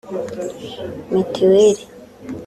Mitiweli